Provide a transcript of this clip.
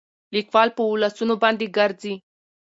ليکوال په ولسونو باندې ګرځي